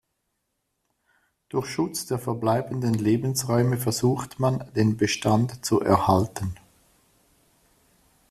Durch Schutz der verbleibenden Lebensräume versucht man, den Bestand zu erhalten.